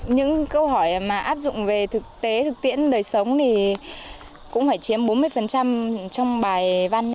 những câu hỏi mà áp dụng về thực tế thực tiễn đời sống thì cũng phải chiếm bốn mươi trong bài văn